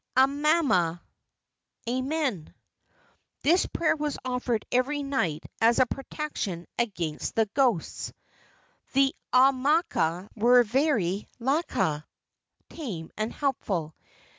Amama [Amen]." This prayer was offered every night as a protection against the ghosts. The aumakuas were very laka (tame and helpful).